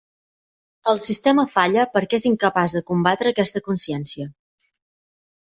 El sistema falla perquè és incapaç de combatre aquesta consciència.